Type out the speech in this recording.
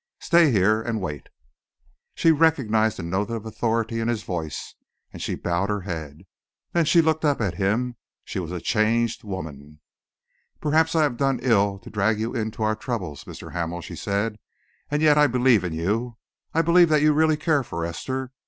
Stay here and wait." She recognised the note of authority in his tone, and she bowed her head. Then she looked up at him; she was a changed woman. "Perhaps I have done ill to drag you into our troubles, Mr. Hamel," she said, "and yet, I believe in you. I believe that you really care for Esther.